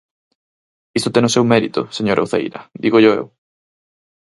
Isto ten o seu mérito, señora Uceira, dígollo eu.